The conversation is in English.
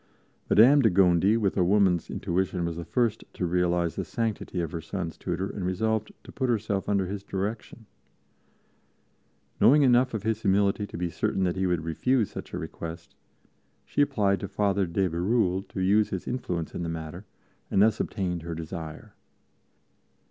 Madame de Gondi, with a woman's intuition, was the first to realize the sanctity of her sons' tutor and resolved to put herself under his direction. Knowing enough of his humility to be certain that he would refuse such a request, she applied to Father de Bérulle to use his influence in the matter, and thus obtained her desire.